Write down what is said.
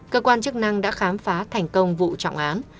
cơ quan chức năng đã khám phá thành công vụ trọng án